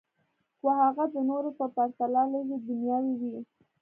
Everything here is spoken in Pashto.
خو هغه د نورو په پرتله لږې دنیاوي وې